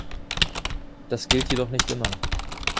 Das gilt jedoch nicht immer.